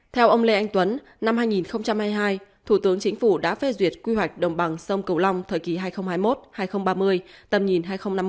theo ông lê anh tuấn năm hai nghìn hai mươi hai thủ tướng chính phủ đã phê duyệt quy hoạch đồng bằng sông cầu long thời kỳ hai nghìn hai mươi một hai nghìn ba mươi tầm nhìn hai nghìn năm mươi